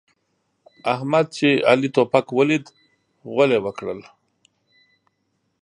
احمد چې علي توپک وليد؛ غول يې وکړل.